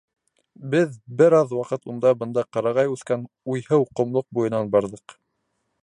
Беҙ бер аҙ ваҡыт унда-бында ҡарағай үҫкән уйһыу ҡомлоҡ буйынан барҙыҡ.